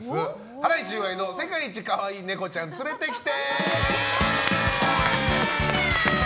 ハライチ岩井の世界一かわいいネコちゃん連れてきて！